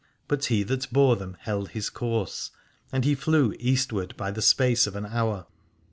But he that bore them held his course, and he flew Eastward by the space of an hour.